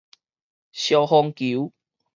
燒風球